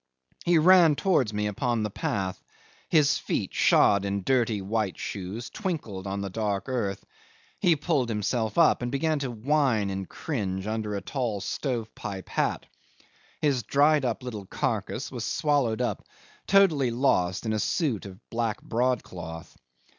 He ran towards me upon the path; his feet, shod in dirty white shoes, twinkled on the dark earth; he pulled himself up, and began to whine and cringe under a tall stove pipe hat. His dried up little carcass was swallowed up, totally lost, in a suit of black broadcloth.